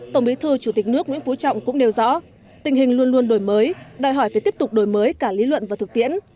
tổng bí thư chủ tịch nước nguyễn phú trọng cũng nêu rõ tình hình luôn luôn đổi mới đòi hỏi phải tiếp tục đổi mới cả lý luận và thực tiễn